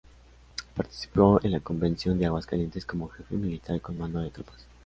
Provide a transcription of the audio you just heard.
Participó en la Convención de Aguascalientes como jefe militar con mando de tropas.